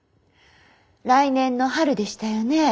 来年の春でしたよね？